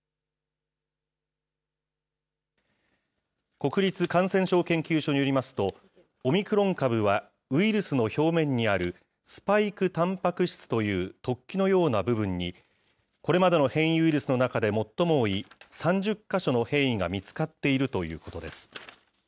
国立感染症研究所によりますと、オミクロン株はウイルスの表面にあるスパイクたんぱく質という突起のような部分に、これまでの変異ウイルスの中で最も多い３０か所の変異が見つかっているということです。